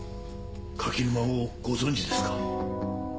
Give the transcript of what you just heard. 柿沼をご存じですか？